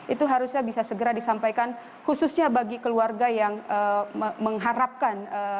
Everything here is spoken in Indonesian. itu harusnya bisa segera disampaikan khususnya bagi keluarga yang mengharapkan